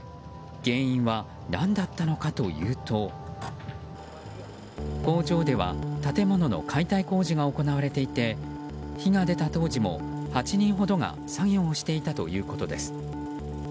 原因は何だったのかというと工場では建物の解体工事が行われていて火が出た当時も８人ほどが作業していたということです。